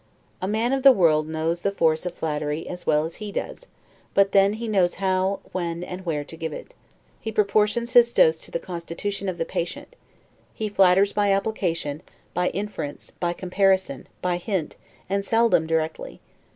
A man of the world knows the force of flattery as well as he does; but then he knows how, when, and where to give it; he proportions his dose to the constitution of the patient. He flatters by application, by inference, by comparison, by hint, and seldom directly.